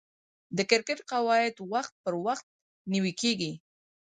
د کرکټ قواعد وخت پر وخت نوي کیږي.